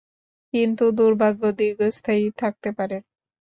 কিন্তু দুর্ভাগ্য দীর্ঘস্থায়ী থাকতে পারে।